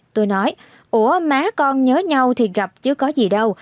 tôi nói ủa má con nhớ nhau thì gặp chứ có gì đâu